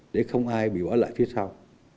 để không ai bị bỏ lại phía sau